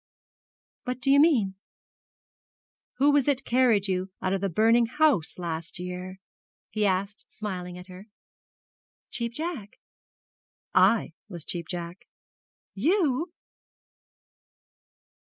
'What do you mean?' 'Who was it carried you out of the burning house last year?' he asked, smiling at her. 'Cheap Jack.' 'I was Cheap Jack.' 'You!'